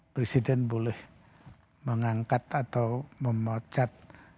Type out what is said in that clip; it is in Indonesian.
presiden boleh mengangkat atau memecat